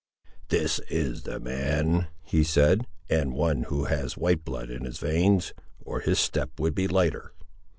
"This is a man," he said; "and one who has white blood in his veins, or his step would be lighter.